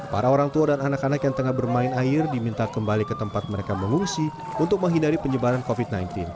para orang tua dan anak anak yang tengah bermain air diminta kembali ke tempat mereka mengungsi untuk menghindari penyebaran covid sembilan belas